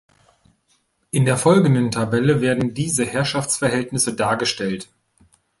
In der folgenden Tabelle werden diese Herrschaftsverhältnisse dargestellt.